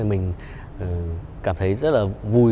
mình cảm thấy rất là vui